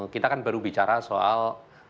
kita kan baru bicara soal